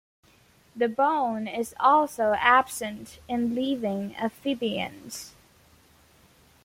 The bone is also absent in living amphibians.